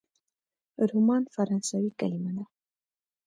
رومان فرانسوي کلمه ده.